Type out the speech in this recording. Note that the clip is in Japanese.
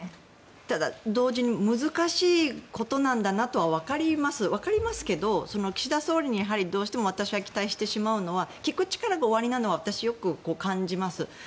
ただ同時に難しいことなんだなとはわかります、わかりますが岸田総理にやはり私は期待してしまうのは聞く力がおありなのは私よく感じます。